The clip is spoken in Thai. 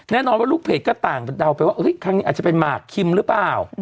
แน่นอนว่าลูกเพจก็ต่างเดาไปว่าครั้งนี้อาจจะเป็นหมากคิมหรือเปล่า